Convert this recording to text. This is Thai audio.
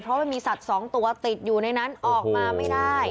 เพราะมันมีสัตว์๒ตัวติดอยู่ในนั้นออกมาไม่ได้